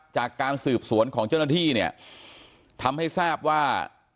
จากการสืบสวนของเจ้าหน้าที่เนี่ยทำให้ทราบว่า